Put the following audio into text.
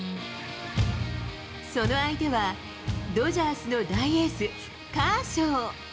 その相手は、ドジャースの大エース、カーショウ。